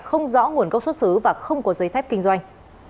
không rõ nguồn gốc xuất xứ và không có giấy phép kinh doanh